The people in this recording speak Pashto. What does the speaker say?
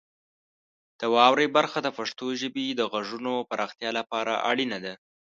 د واورئ برخه د پښتو ژبې د غږونو پراختیا لپاره اړینه ده.